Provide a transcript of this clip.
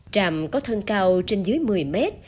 tràm có thân cao trên dưới một mươi mét